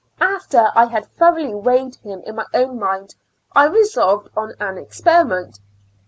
After I had thoroughly weighed him in my own mind, I resolved on an experiment.